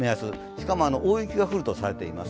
しかも大雪が降るとされています。